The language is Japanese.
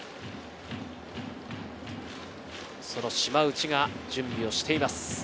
その島内が準備をしています。